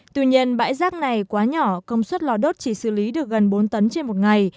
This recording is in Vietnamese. tuy nhiên bãi rác này quá nhỏ công suất lò đốt chỉ xử lý được gần bốn tấn trên một ngày